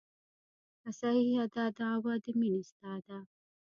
که صحیحه دا دعوه د مینې ستا ده.